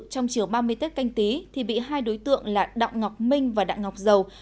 trong chiều ba mươi tết canh tí thì bị hai đối tượng là đạo ngọc minh và đạo ngọc dầu